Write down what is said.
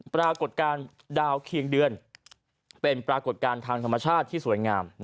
ปรากฏการณ์ดาวเคียงเดือนเป็นปรากฏการณ์ทางธรรมชาติที่สวยงาม